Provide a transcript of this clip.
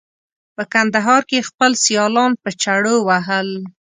په کندهار کې یې خپل سیالان په چړو وهل.